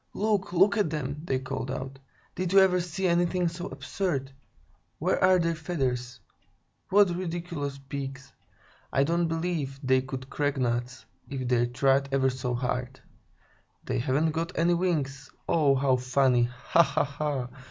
"Look, look at them!" they called out. "Did you ever see anything so absurd? Where are their feathers? What ridiculous beaks! I don't believe they could crack nuts, if they tried ever so hard. They haven't got any wings. Oh, how funny! Ha, ha, ha!